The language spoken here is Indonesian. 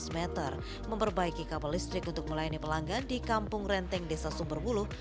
tiga belas m memperbaiki kapal listrik untuk melayani pelanggan di kampung renteng desa sumberbuluh